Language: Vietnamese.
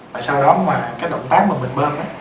và sau đó mà cái động tác mà mình bơm